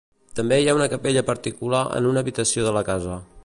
També hi ha una capella particular en una habitació de la casa.